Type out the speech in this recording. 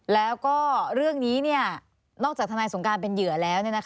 แล้วก็เรื่องนี้นอกจากทนายสงการเป็นเหยื่อแล้ว